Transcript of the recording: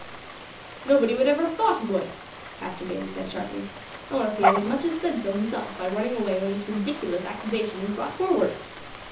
"Nobody would ever have thought he would," Captain Bayley said sharply, "unless he had as much as said so himself by running away when this ridiculous accusation was brought forward.